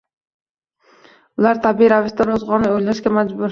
Ular, tabiiy ravishda, ro‘zg‘orni o‘ylashga majbur.